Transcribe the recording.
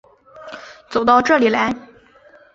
走到这里来